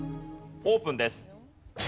オープンです。